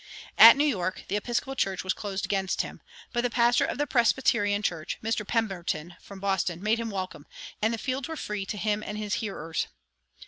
At New York the Episcopal church was closed against him, but the pastor of the Presbyterian church, Mr. Pemberton, from Boston, made him welcome, and the fields were free to him and his hearers.